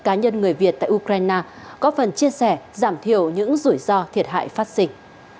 cá nhân người việt tại ukraine có phần chia sẻ giảm thiểu những rủi ro thiệt hại phát sinh